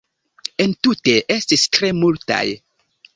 Entute estis tre multaj.